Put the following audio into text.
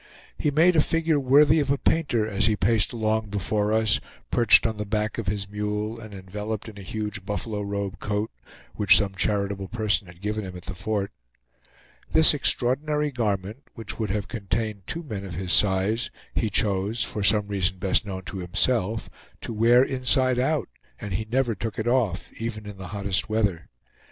He made a figure worthy of a painter as he paced along before us, perched on the back of his mule, and enveloped in a huge buffalo robe coat, which some charitable person had given him at the fort. This extraordinary garment, which would have contained two men of his size, he chose, for some reason best known to himself, to wear inside out, and he never took it off, even in the hottest weather.